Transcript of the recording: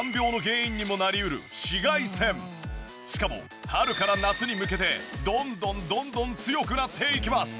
しかも春から夏に向けてどんどんどんどん強くなっていきます！